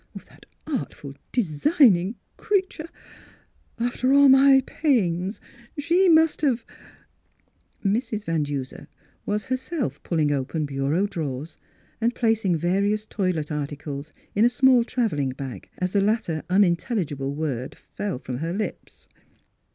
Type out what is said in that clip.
— That artful, designing crea ture — After all my pains, she must have —" Mrs. Van Duser was herself pulling open bureau drawers, and placing various toilet articles in a small travelling bag, as the latter unintelhgible words fell from her lips.